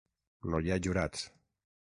No hi ha jurats.